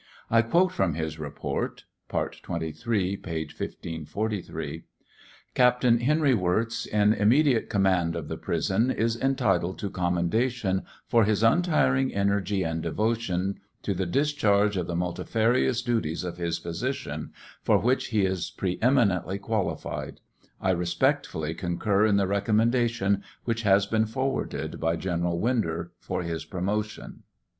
I quote from his report (part 23, p. 1543 :) Captain Henry Wirz, in immediate command of the prison, is entitled to commendation for his nntiring energy and devotion to the dischargeof the multifarious duties of his position, for which he is pre eminently qualified. I respectfully concur in the recommendation which has been forwarded by General Winder for his promotion.